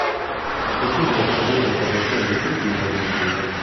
È possibile fornire informazioni descrittive aggiuntive.